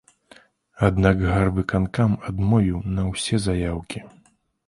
Аднак гарвыканкам адмовіў на ўсе заяўкі.